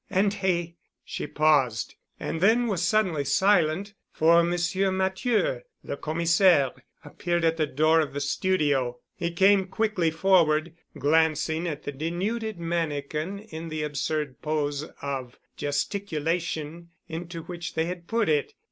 And he——" She paused and then was suddenly silent, for Monsieur Matthieu, the Commissaire, appeared at the door of the studio. He came quickly forward, glancing at the denuded mannikin in the absurd pose of gesticulation into which they had put it.